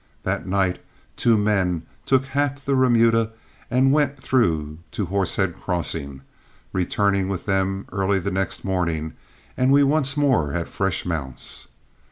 That night two men took half the remuda and went through to Horsehead Crossing, returning with them early the next morning, and we once more had fresh mounts.